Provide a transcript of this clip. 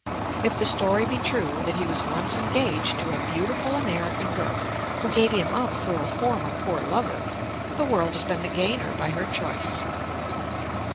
If the story be true, that he was once engaged to a beautiful American girl, who gave him up for a former poor lover, the world has been the gainer by her choice.